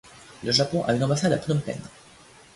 Le Japon a une ambassade à Phnom Penh.